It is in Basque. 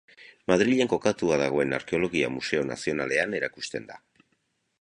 Madrilen kokatua dagoen Arkeologia Museo Nazionalean erakusten da.